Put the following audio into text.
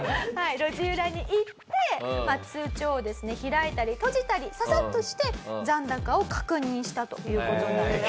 路地裏に行って通帳をですね開いたり閉じたりササッとして残高を確認したという事なんです。